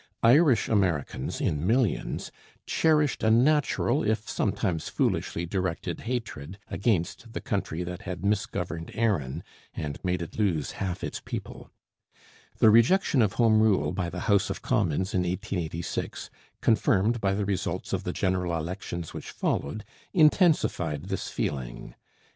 Irish Americans in millions cherished a natural if sometimes foolishly directed hatred against the country that had misgoverned Erin and made it lose half its people. The rejection of Home Rule by the House of Commons in 1886, confirmed by the results of the general elections which followed, intensified this feeling.